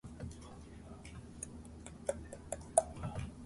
Ian shows a breadth of skills throughout his tenure with the Doctor.